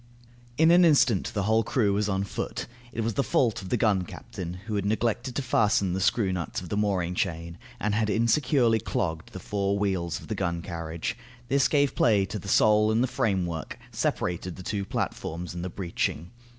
In an instant the whole crew was on foot. It was the fault of the gun captain, who had neglected to fasten the screw nut of the mooring chain, and had insecurely clogged the four wheels of the gun carriage; this gave play to the sole and the framework, separated the two platforms, and the breeching.